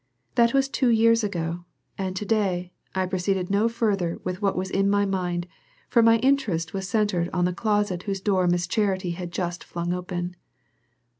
That was two years ago, and to day I proceeded no further with what was in my mind, for my interest was centered in the closet whose door Miss Charity had just flung open.